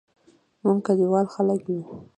موږ کلیوال خلګ یو